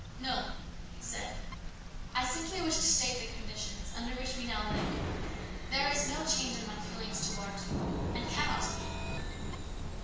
" No," he said. " I simply wished to state the conditions under which we now live. There is no change in my feelings towards you, and cannot be."